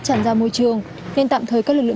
tràn ra môi trường nên tạm thời các lực lượng